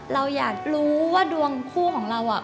เราอยากรู้ว่าดวงคู่ของเรา